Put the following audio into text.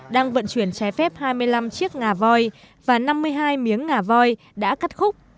đang vận chuyển trái phép hai mươi năm chiếc ngà voi và năm mươi hai miếng ngà voi đã cắt khúc